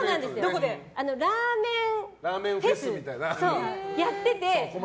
ラーメンフェスやってて。